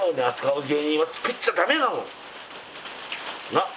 なっ？